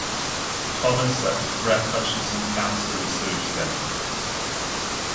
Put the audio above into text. Thomas at the Fred Hutchinson Cancer Research Center.